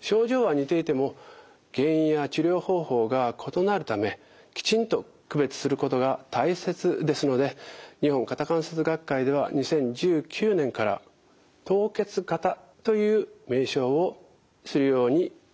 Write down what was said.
症状は似ていても原因や治療方法が異なるためきちんと区別することが大切ですので日本肩関節学会では２０１９年から凍結肩という名称をするように統一しています。